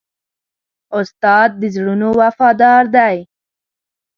استاد د زړونو وفادار دی.